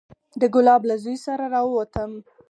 د ګلاب له زوى سره راووتم.